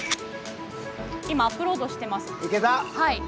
今アップロードしています。